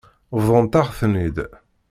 Bḍant-aɣ-ten-id.